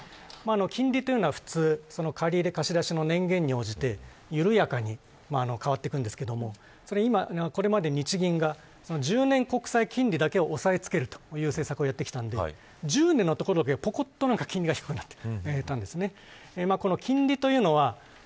金利は普通借り入れ、貸し出しの年限に応じて緩やかに変わっていくんですがこれまで日銀が１０年国債金利だけを抑えつけるという政策をやってきたので１０年のところだけぽこっと金利が低くなっている。